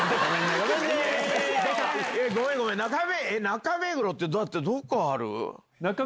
中目黒ってだってどこある？